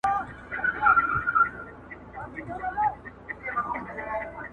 درواغجن، هېرجن وي.